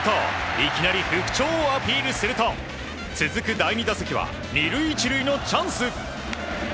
いきなり復調をアピールすると続く第２打席は２塁１塁のチャンス。